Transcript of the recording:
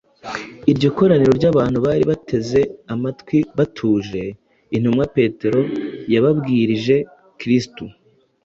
Iryo koraniro ry’abantu bari bateze amatwi batuje, intumwa Petero yababwirije Kristo: